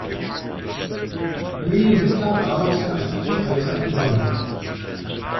William Hitler arbeitete als Buchhalter in London.